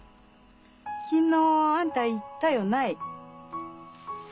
昨日あんた言ったよない？